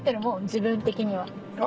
自分的には。